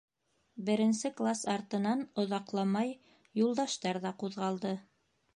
Беренсе класс артынан оҙаҡламай Юлдаштар ҙа ҡуҙғалды.